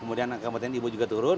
kemudian angka kematian ibu turun